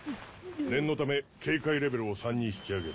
念のため警戒レベルを３に引き上げる。